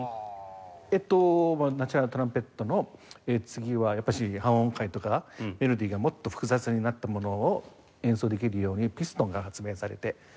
えっとナチュラルトランペットの次はやっぱり半音階とかメロディーがもっと複雑になったものを演奏できるようにピストンが発明されて。